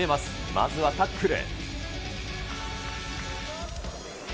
まずはタックル。